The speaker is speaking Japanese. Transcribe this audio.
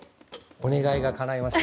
お願いが叶いました。